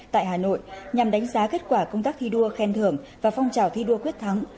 tại hà nội nhằm đánh giá kết quả công tác thi đua khen thưởng và phong trào thi đua quyết thắng